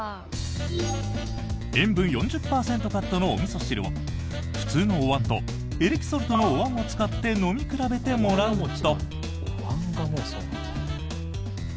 塩分４０％カットのおみそ汁を普通のおわんとエレキソルトのおわんを使って飲み比べてもらうと。